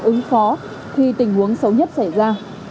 ứng phó khi tình huống xấu nhất xảy ra